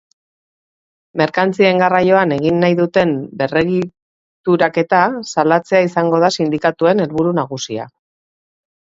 Merkantzien garraioan egin nahi duten berregituraketa salatzea izango da sindikatuen helburu nagusia.